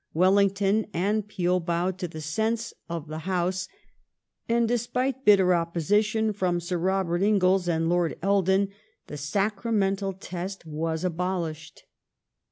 Wellington and Peel bowed to the sense of the House, and despite bitter opposition from Sir Robert Inglis and Lord Eldon the Sacra mental Test was abolished.